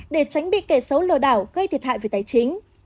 để tránh bị kẻ xấu lừa đảo gây thiệt hại về tài chính